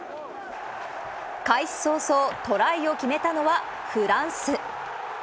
開始早々、トライを決めたのはフランス。